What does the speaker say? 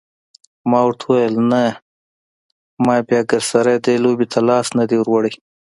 ما ورته وویل نه ما بیا ګردسره دې لوبې ته لاس نه دی وروړی.